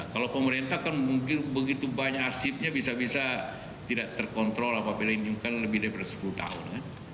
kalau pemerintah kan mungkin begitu banyak arsipnya bisa bisa tidak terkontrol apabila ini kan lebih dari sepuluh tahun